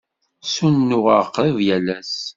Ssunuɣeɣ qrib yal ass.